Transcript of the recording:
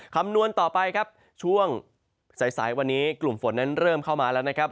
คำนวณต่อไปครับช่วงสายสายวันนี้กลุ่มฝนนั้นเริ่มเข้ามาแล้วนะครับ